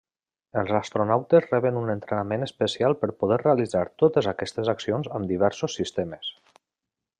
Els astronautes reben un entrenament especial per poder realitzar totes aquestes accions amb diversos sistemes.